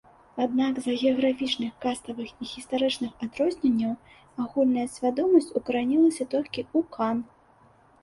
Аднак з-за геаграфічных, каставых і гістарычных адрозненняў агульная свядомасць укаранілася толькі ў кан.